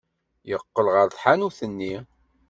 Yeqqel ɣer tḥanut-nni.